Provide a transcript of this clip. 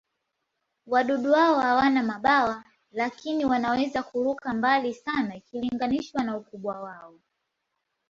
Wadudu hao hawana mabawa, lakini wanaweza kuruka mbali sana ikilinganishwa na ukubwa wao.